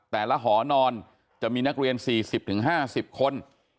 หอนอนจะมีนักเรียน๔๐๕๐คน